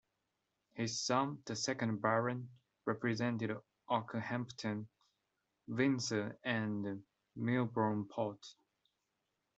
His son, the second Baron, represented Okehampton, Windsor and Milborne Port.